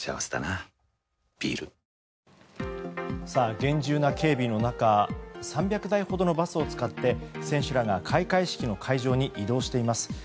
厳重な警備の中３００台ほどのバスを使って選手らが開会式の会場に移動しています。